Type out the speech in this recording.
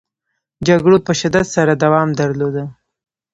جګړو په شدت سره دوام درلوده.